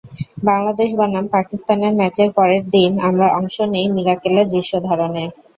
বাংলাদেশ বনাম পাকিস্তানের ম্যাচের পরের দিন আমরা অংশ নিই মীরাক্কেলের দৃশ্য ধারণে।